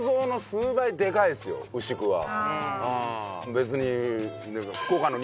別に。